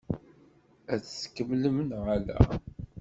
Ad t-tkemmlem neɣ ala?